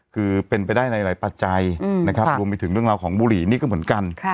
คือเป็นไปได้ในหลายปัจจัยนะครับรวมไปถึงเรื่องราวของบุหรี่นี่ก็เหมือนกัน